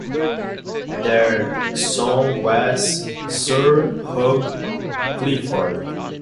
Their son was Sir Hugh Clifford.